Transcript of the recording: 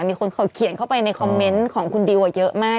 มีคนเขาเขียนเข้าไปในคอมเมนต์ของคุณดิวเยอะมาก